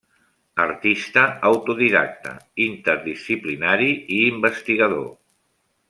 Artista autodidacte, interdisciplinari i investigador.